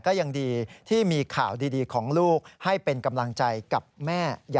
กรณีนี้ทางด้านของประธานกรกฎาได้ออกมาพูดแล้ว